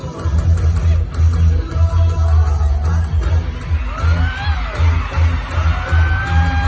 สวัสดีครับ